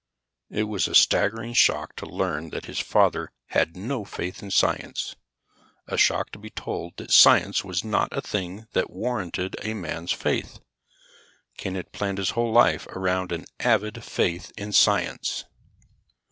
It was a staggering shock to learn that his father had no faith in science; a shock to be told that science was not a thing that warranted a man's faith. Ken had planned his whole life around an avid faith in science.